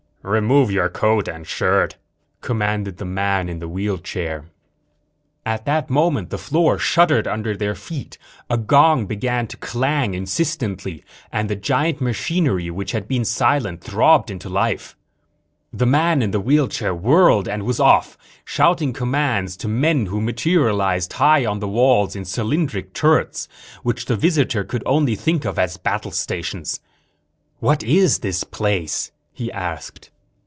"Remove your coat and shirt," commanded the man in the wheelchair. At that moment the floor shuddered under their feet, a gong began to clang insistently, and the giant machinery, which had been silent, throbbed into life. The man in the wheelchair whirled and was off, shouting commands to men who materialized high on the walls in cylindrical turrets which the visitor could only think of as battle stations. "What is this place?" he asked.